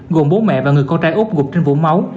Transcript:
gồm bố mẹ và người con trai úc gục trên vũng máu